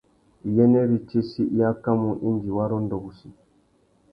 Iyênêritsessi i akamú indi wa rôndô wussi.